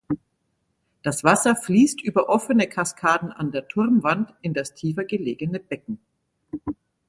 Das Wasser fließt über offene Kaskaden an der Turmwand in das tiefer gelegene Becken.